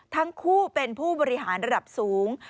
ทั้งคู่เป็นผู้บริหารระดับสูง